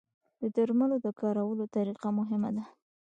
د درملو د کارولو طریقه مهمه ده.